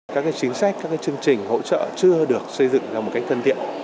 các cái chính sách các cái chương trình hỗ trợ chưa được xây dựng ra một cách thân thiện